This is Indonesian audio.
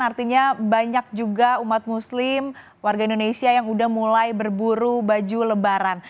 artinya banyak juga umat muslim warga indonesia yang sudah mulai berburu baju lebaran